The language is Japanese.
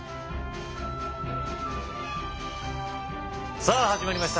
さあ始まりました。